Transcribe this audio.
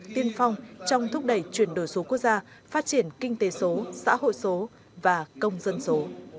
tiên phong trong thúc đẩy chuyển đổi số quốc gia phát triển kinh tế số xã hội số và công dân số